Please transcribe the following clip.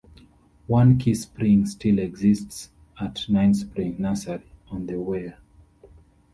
One key spring still exists at Ninesprings Nursery on The Weir.